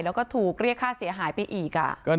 แล้วก็ถูกเรียกค่าเสียหายไปอีก